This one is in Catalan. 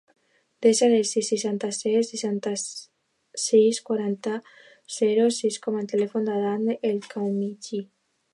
Desa el sis, setanta-set, seixanta-sis, quaranta, zero, sis com a telèfon de l'Adán El Khamlichi.